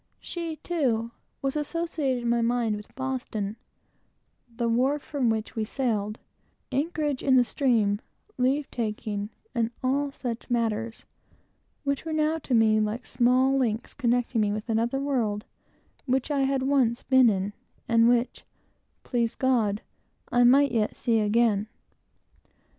She, too, was associated, in my mind with Boston, the wharf from which we sailed, anchorage in the stream, leave taking, and all such matters, which were now to me like small links connecting me with another world, which I had once been in, and which, please God, I might yet see again.